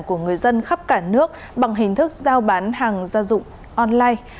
của người dân khắp cả nước bằng hình thức giao bán hàng gia dụng online